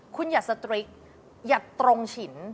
คุณอย่าสตริกอย่าตรงฉิน